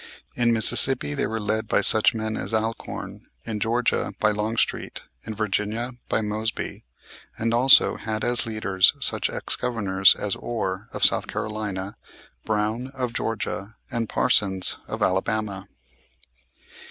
In Mississippi they were led by such men as Alcorn, in Georgia by Longstreet, in Virginia by Moseby, and also had as leaders such ex governors as Orr, of South Carolina; Brown, of Georgia, and Parsons, of Alabama.